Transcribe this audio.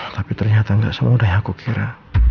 tapi ternyata gak semudah yang aku kira